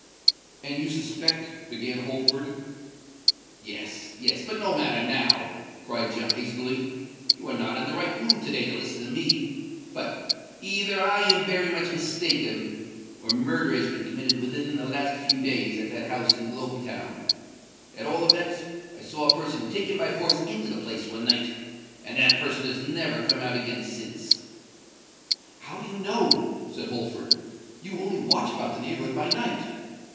"And you suspect——" began Holford. "Yes—yes: but no matter now," cried Jem, hastily. "You are not in the right mood to day to listen to me: but, either I am very much mistaken, or murder has been committed within the last few days at that house in Globe Town. At all events, I saw a person taken by force into the place one night; and that person has never come out again since." "How do you know?" said Holford. "You only watch about the neighbourhood by night."